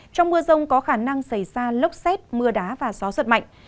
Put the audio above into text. trong mưa rông có khả năng xảy ra lốc xét mưa đá và gió giật mạnh